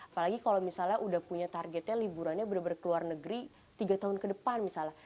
apalagi kalau misalnya udah punya targetnya liburannya benar benar ke luar negeri tiga tahun ke depan misalnya